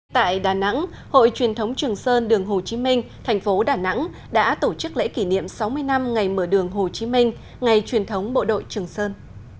tại đà nẵng hội truyền thống trường sơn đường hồ chí minh thành phố đà nẵng đã tổ chức lễ kỷ niệm sáu mươi năm ngày mở đường hồ chí minh ngày truyền thống bộ đội trường sơn